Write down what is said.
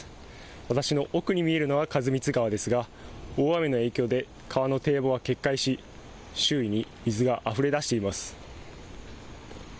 私の奥に見えるのは員光川ですが大雨の影響で川の堤防は決壊し周囲に水があふれ出しています。